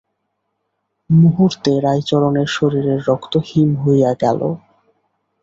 মুহূর্তে রাইচরণের শরীরের রক্ত হিম হইয়া গেল।